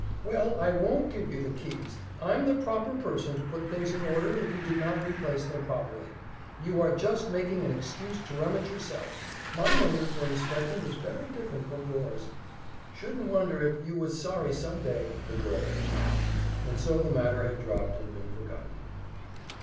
"Well, I won't give you the keys. I'm the proper person to put things in order if you did not replace them properly. You are just making an excuse to rummage yourself. My motive for inspecting is very different from yours." "Shouldn't wonder if you was sorry some day," the girl had remarked, and so the matter had dropped and been forgotten.